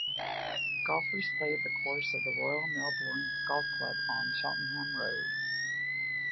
Golfers play at the course of the Royal Melbourne Golf Club on Cheltenham Road.